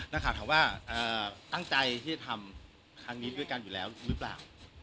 นักข่าวถามว่าตั้งใจที่จะทำครั้งนี้ด้วยกันอยู่แล้วหรือเปล่า